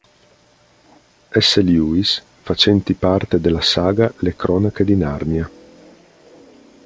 S. Lewis facenti parte della saga "Le cronache di Narnia".